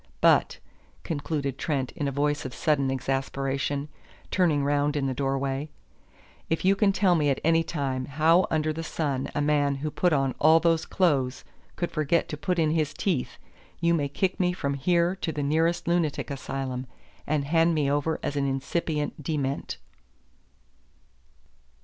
But," concluded Trent in a voice of sudden exasperation, turning round in the doorway, "if you can tell me at any time how under the sun a man who put on all those clothes could forget to put in his teeth, you may kick me from here to the nearest lunatic asylum, and hand me over as an incipient dement."